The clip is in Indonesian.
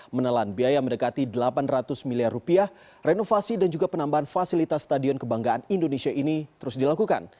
menelan biaya mendekati delapan ratus miliar rupiah renovasi dan juga penambahan fasilitas stadion kebanggaan indonesia ini terus dilakukan